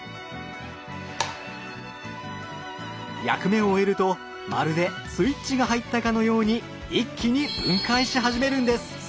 役目を終えるとまるでスイッチが入ったかのように一気に分解し始めるんです。